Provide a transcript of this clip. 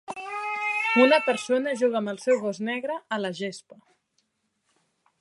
Una persona juga amb el seu gos negre a la gespa.